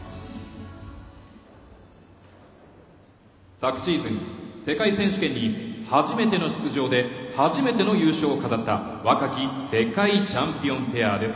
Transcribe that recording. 昨シーズン世界選手権に初めての出場で初めての優勝を飾った若き世界チャンピオンペアです。